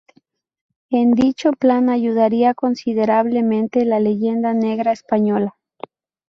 En dicho plan ayudaría considerablemente la Leyenda Negra española.